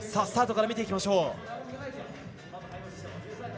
スタートから見ていきましょう。